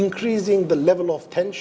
tanpa meningkatkan level tensi